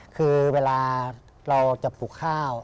คือเวลาเราจะปลูกข้าว